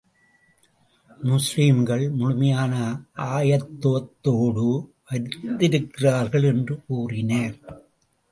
முஸ்லிம்கள் முழுமையான ஆயத்தத்தோடு வந்திருக்கிறார்கள் என்று கூறினார்.